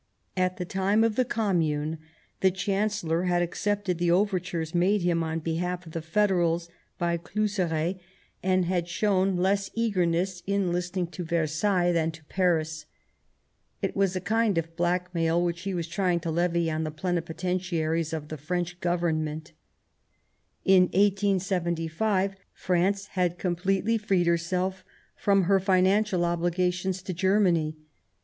At the time of the Commune the Chancellor had accepted the overtures made him on behalf of the federals by Cluseret, and had shown less 178 The German Empire eagerness in listening to Versailles than to Paris. It was a kind of blackmail which he was trying to levy on the Plenipotentiaries of the French Government. In 1875 France had completely freed herself from her financial obligations to Germany.